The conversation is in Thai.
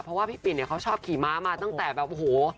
เพราะว่าพี่ปิ่นเนี่ยเขาชอบขี่ม้ามาตั้งแต่แบบโอ้โห